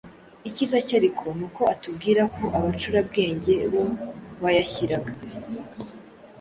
Icyiza cye ariko ni uko atubwira aho Abacurabwenge bo bayashyiraga,